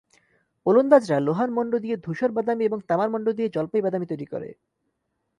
ওলন্দাজরা লোহার মণ্ড দিয়ে ধূসর-বাদামি এবং তামার মণ্ড দিয়ে জলপাই-বাদামি তৈরি করে।